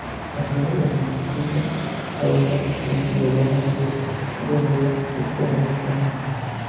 A finales de los sesenta abandonó prácticamente el doblaje, aunque retornaría esporádicamente.